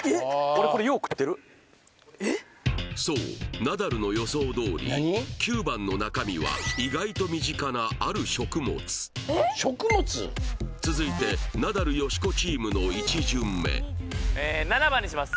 そうナダルの予想どおり９番の中身は続いてナダル・よしこチームの１巡目７番にします